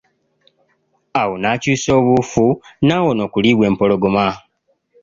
Awo n'akyusa obuufu n'awona okuliibwa empologoma.